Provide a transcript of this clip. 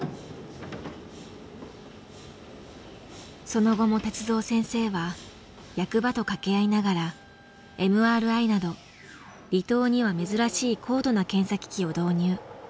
その後も鉄三先生は役場と掛け合いながらＭＲＩなど離島には珍しい高度な検査機器を導入。